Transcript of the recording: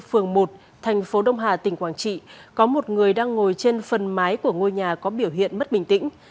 phường một thành phố đông hà tỉnh quảng trị có một người đang ngồi trên phần mái của ngôi nhà có biểu hiện mất bình tĩnh